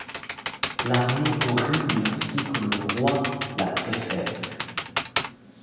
L’armée horrible ainsi que le roi la préfère ;—